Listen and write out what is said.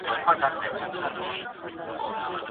ګاونډی هیواد سوله ایزې خبرې نه ځنډوي.